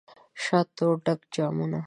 دشاتو ډک جامونه